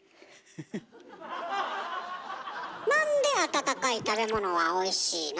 なんで温かい食べ物はおいしいの？